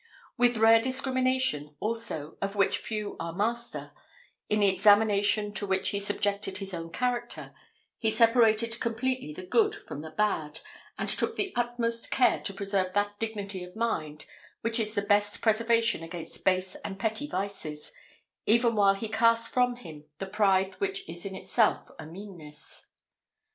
With a rare discrimination, also, of which few are master, in the examination to which he subjected his own character, he separated completely the good from the bad, and took the utmost care to preserve that dignity of mind which is the best preservation against base and petty vices, even while he cast from him the pride which is in itself a meanness.